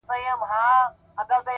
زه يم تياره کوټه ده ستا ژړا ده شپه سرگم